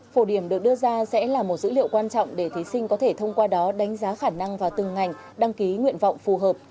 phổ điểm được đưa ra sẽ là một dữ liệu quan trọng để thí sinh có thể thông qua đó đánh giá khả năng vào từng ngành đăng ký nguyện vọng phù hợp